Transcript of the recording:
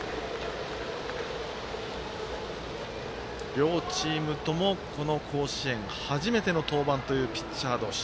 両チームとも、この甲子園初めての登板というピッチャー同士。